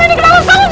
ya pak makasih ya pak